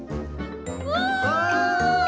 お！